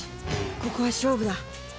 ここは勝負だ